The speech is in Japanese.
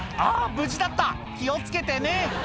無事だった気を付けてね